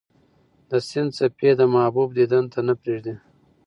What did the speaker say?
د سیند څپې د محبوب دیدن ته نه پرېږدي.